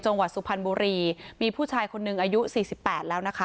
จังหวัดสุพรรณบุรีมีผู้ชายคนหนึ่งอายุสี่สิบแปดแล้วนะคะ